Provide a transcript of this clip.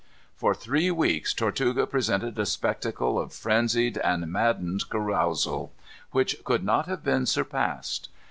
For three weeks Tortuga presented a spectacle of frenzied and maddened carousal, which could not have been surpassed.